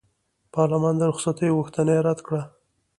پارلمان د رخصتۍ غوښتنه یې رد کړه.